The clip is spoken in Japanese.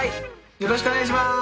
よろしくお願いします。